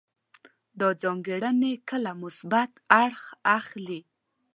دا ځانګړنې کله مثبت اړخ اخلي.